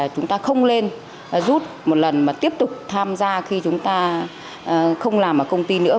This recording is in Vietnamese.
chúng ta không lên rút một lần mà tiếp tục tham gia khi chúng ta không làm ở công ty nữa